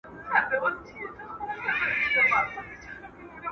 د ذهن په اړه مطالعه کول ډېر په زړه پوري دي.